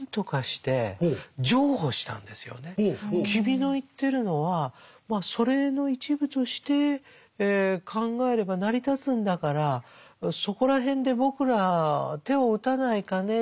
君の言ってるのはまあ祖霊の一部として考えれば成り立つんだからそこら辺で僕ら手を打たないかね。